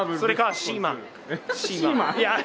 『シーマン』！？